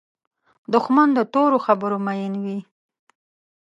دښمن د تورو خبرو مین وي